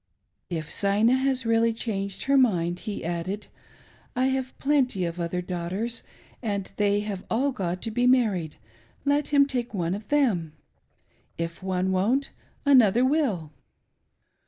"If Zina has really changed her mind," he added, " I have plenty of other daughters, and they have all got to be married, let him take one of them, — if one won't, another will